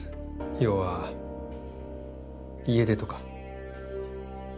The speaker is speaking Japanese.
要は家出とか。